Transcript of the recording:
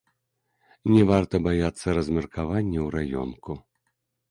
Не варта баяцца размеркавання ў раёнку.